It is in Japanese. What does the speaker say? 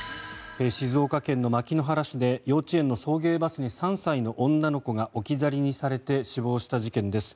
静岡県の牧之原市で幼稚園の送迎バスに３歳の女の子が置き去りにされて死亡した事件です。